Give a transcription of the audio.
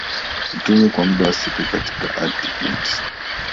hutumiwi kwa muda wa siku katika latitudes